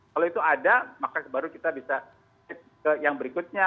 kalau itu ada maka baru kita bisa ke yang berikutnya